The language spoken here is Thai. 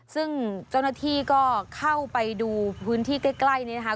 ซึ่งเจ้าหน้าที่ก็เข้าไปดูพื้นที่ใกล้นี้นะคะ